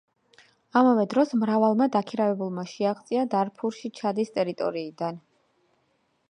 ამავე დროს მრავალმა დაქირავებულმა შეაღწია დარფურში ჩადის ტერიტორიიდან.